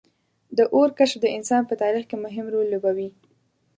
• د اور کشف د انسان په تاریخ کې مهم رول لوبولی.